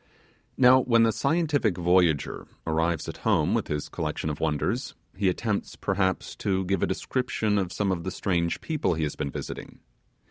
Now, when the scientific voyager arrives at home with his collection of wonders, he attempts, perhaps, to give a description of some of the strange people he has been visiting.